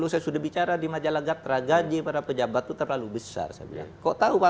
saya sudah bicara di majalah gatra gaji para pejabat itu terlalu besar saya bilang kok tahu pak